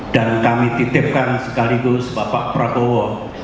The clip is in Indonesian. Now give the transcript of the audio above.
dan kami titipkan sekaligus bapak prabowo